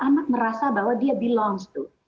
anak merasa bahwa dia belongs to